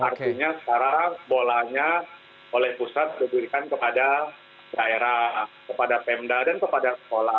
artinya sekarang bolanya oleh pusat diberikan kepada daerah kepada pemda dan kepada sekolah